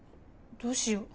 どうしよう。